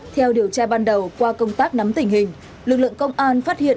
theo điều tra ban đầu qua công tác nắm tình hình lực lượng công an phát hiện